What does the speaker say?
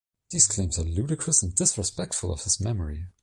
These claims are ludicrous and disrespectful of his memory.